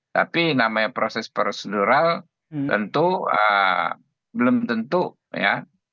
tapi namanya proses prosedural tentu belum tentu ya